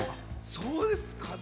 そうですか。